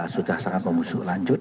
sudah sangat memusuh lanjut